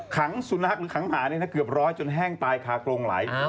ขังสุนักหรือขังหมาเนี่ยนะเกือบร้อยจนแห้งตายคาโกรงไหล